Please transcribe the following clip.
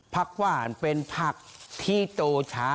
ผักหวานเป็นผักที่โตช้า